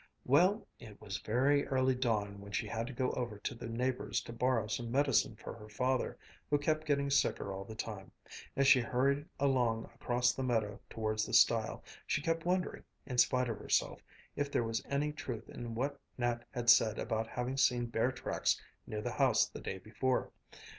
"Well, it was very early dawn when she had to go over to the neighbor's to borrow some medicine for her father, who kept getting sicker all the time. As she hurried along across the meadow towards the stile, she kept wondering, in spite of herself, if there was any truth in what Nat had said about having seen bear tracks near the house the day before.